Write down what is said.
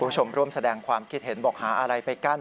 คุณผู้ชมร่วมแสดงความคิดเห็นบอกหาอะไรไปกั้น